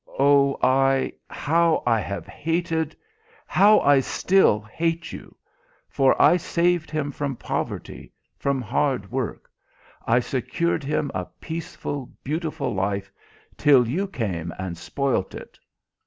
Oh I how I have hated how I still hate you! for I saved him from poverty, from hard work. I secured him a peaceful, beautiful life, till you came and spoilt it....